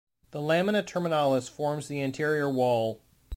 The lamina terminalis forms the anterior wall.